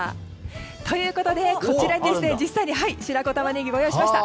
ということで、こちらに実際に白子タマネギをご用意しました。